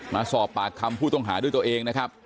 มาสอบปากคำผู้ต้องหาด้วยตัวเองนะครับ